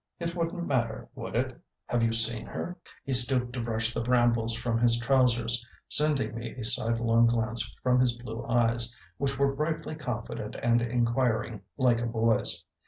"It wouldn't matter, would it? Have you seen her?" He stooped to brush the brambles from his trousers, sending me a sidelong glance from his blue eyes, which were brightly confident and inquiring, like a boy's.